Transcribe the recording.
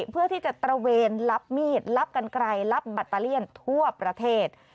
เพื่อที่จะตระเวนรับมีดรับกันไกลรับแบตเตอเลี่ยนทั่วประเทศ